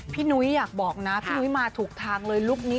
นุ้ยอยากบอกนะพี่นุ้ยมาถูกทางเลยลุคนี้